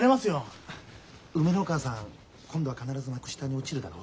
梅ノ川さん今度は必ず幕下に落ちるだろ？